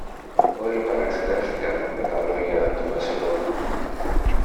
Όλοι παραξενεύθηκαν με τα λόγια του Βασιλόπουλου.